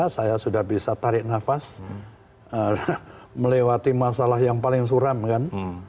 dua ribu tiga saya sudah bisa tarik nafas melewati masalah yang paling suram kan